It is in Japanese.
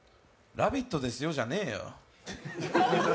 「ラヴィット！」ですよじゃねえよ！